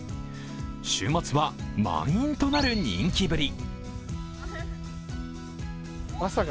週末は満員となる人気ぶり。